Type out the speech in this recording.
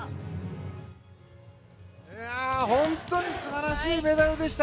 本当に素晴らしいメダルでした！